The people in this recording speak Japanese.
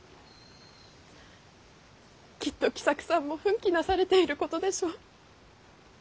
きっと喜作さんも奮起なされていることでしょう。